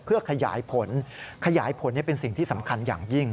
เพื่อขยายผลขยายผลเป็นสิ่งที่สำคัญอย่างยิ่ง